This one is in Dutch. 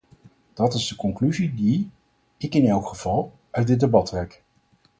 Dat is de conclusie die, ik in elk geval, uit dit debat trek.